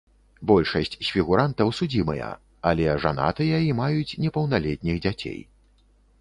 Большасць з фігурантаў судзімыя, але жанатыя і маюць непаўналетніх дзяцей.